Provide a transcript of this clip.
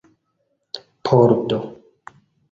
pordo